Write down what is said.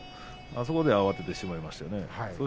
あそこで慌ててしまいましたね。